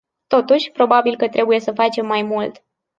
Totuși, probabil că trebuie să facem mai mult.